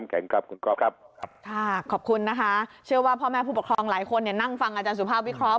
ขอบคุณนะคะเชื่อว่าพ่อแม่ผู้ปกครองหลายคนนั่งฟังอาจารย์สุภาพวิเคราะห์